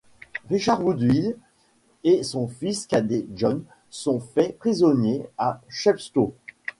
Richard Woodville et son fils cadet John sont faits prisonniers à Chepstow.